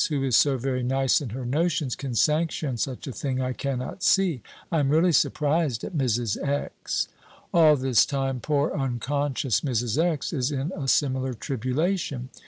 who is so very nice in her notions, can sanction such a thing, I cannot see. I am really surprised at Mrs. X." All this time, poor unconscious Mrs. X. is in a similar tribulation.